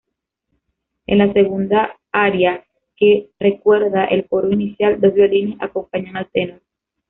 En la segunda aria, que recuerda el coro inicial, dos violines acompañan al tenor.